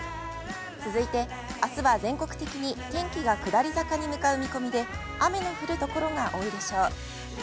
続いてあすは全国的に天気が下り坂に向かう見込みで、雨の降る所が多いでしょう。